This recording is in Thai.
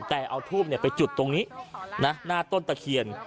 แต่เอาทูบไปจุดตรงนี้หน้าต้นตะเคียน